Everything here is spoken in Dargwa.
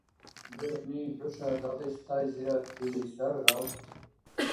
ДурхӀни, хӀуша Дагъистайзирадти саррав?